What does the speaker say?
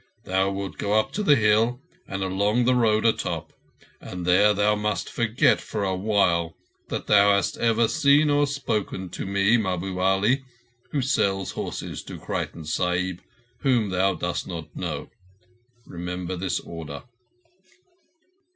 Thou wilt go up the hill and along the road atop, and there thou must forget for a while that thou hast ever seen or spoken to me, Mahbub Ali, who sells horses to Creighton Sahib, whom thou dost not know. Remember this order."